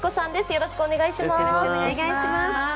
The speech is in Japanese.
よろしくお願いします。